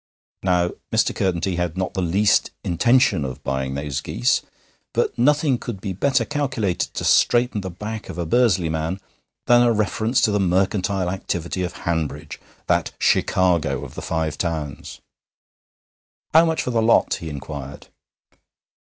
Now, Mr. Curtenty had not the least intention of buying those geese, but nothing could be better calculated to straighten the back of a Bursley man than a reference to the mercantile activity of Hanbridge, that Chicago of the Five Towns. 'How much for the lot?' he inquired.